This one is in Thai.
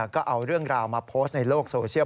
ก็เอาเรื่องราวมาโพสต์ในโลกโซเชียล